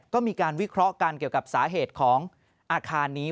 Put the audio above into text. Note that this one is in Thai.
ก็มีการวิเคราะห์กันเกี่ยวกับสาเหตุของอาคารนี้